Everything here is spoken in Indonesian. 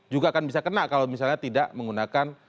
juga akan bisa kena kalau misalnya tidak menggunakan